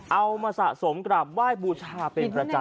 เอามาสะสมกราบไหว้บูชาเป็นประจำ